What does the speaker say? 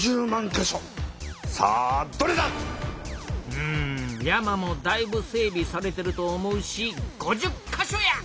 うん山もだいぶ整びされてると思うし５０か所や！